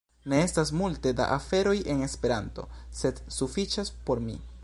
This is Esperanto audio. Ne estas multe da aferoj en Esperanto, sed sufiĉas por mi.